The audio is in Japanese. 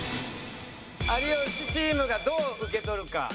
有吉チームがどう受け取るか。